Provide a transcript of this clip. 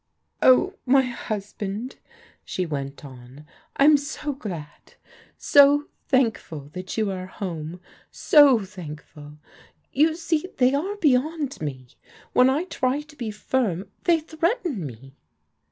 " Oh, my husband," she went on, " I'm so glad, so thankful that you are home, so thankful. You see they are beyond me. When I try to be firm, they threaten me.